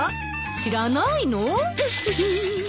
知らないの？